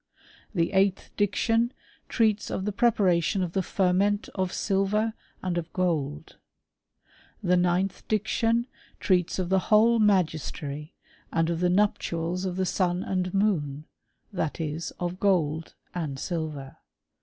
The eighth diction treats of the preparation of th# ferment of silver, and of gold. The ninth diction treats of the whole magistery, and of the nuptials of the MU^ CHEiiiiTiiY 0? mm AftAmAifs. \99 and moon ; that is, of gold and silver.